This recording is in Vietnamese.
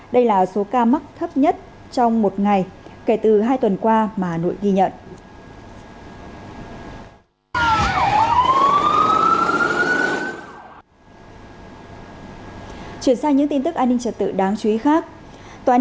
đây là số ca mắc thấp nhất trong một ngày kể từ hai tuần qua mà hà nội ghi nhận